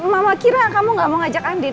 mama kira kamu gak mau ngajak andin